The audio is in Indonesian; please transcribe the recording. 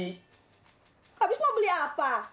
habis mau beli apa